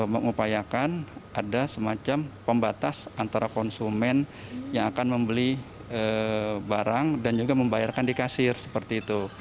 mengupayakan ada semacam pembatas antara konsumen yang akan membeli barang dan juga membayarkan di kasir seperti itu